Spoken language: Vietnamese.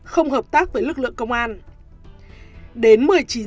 không hợp tác với lực lượng công an tỉnh hương nghiền